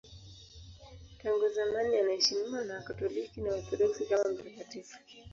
Tangu zamani anaheshimiwa na Wakatoliki na Waorthodoksi kama mtakatifu.